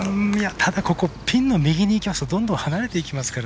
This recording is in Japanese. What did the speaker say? ただここピンの右にいくとどんどん離れていきますから。